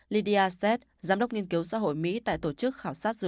lydia zed giám đốc nghiên cứu xã hội mỹ tại tổ chức khảo sát dư luận gallup cho hay